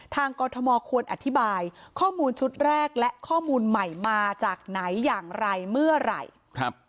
กรทมควรอธิบายข้อมูลชุดแรกและข้อมูลใหม่มาจากไหนอย่างไรเมื่อไหร่ครับ